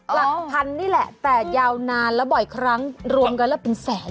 หลักพันนี่แหละแต่ยาวนานแล้วบ่อยครั้งรวมกันแล้วเป็นแสน